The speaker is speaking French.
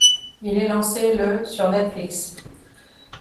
Il est lancé le sur Netflix.